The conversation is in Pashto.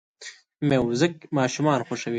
موزیک ماشومان خوښوي.